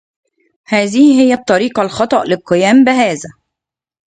هذه هي الطريقة الخطأ للقيام بهذا.